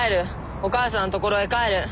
お母さんのところへ帰る。